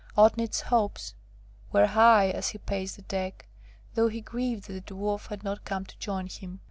Otnit's hopes were high as he paced the deck, though he grieved that the Dwarf had not come to join him.